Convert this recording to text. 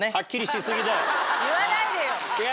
言わないでよ。